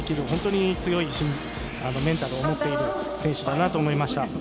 本当に強いメンタルを持っている選手だなと思いました。